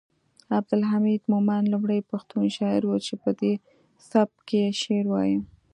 عبدالحمید مومند لومړی پښتون شاعر و چې پدې سبک یې شعر وایه